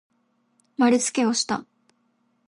まるつけをした。